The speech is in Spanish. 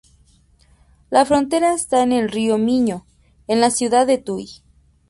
La frontera está en el río Miño, en la ciudad de Tuy.